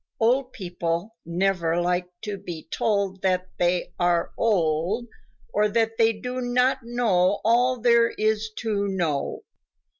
Old people never like to be told that they are old or that they do not know all there is to know.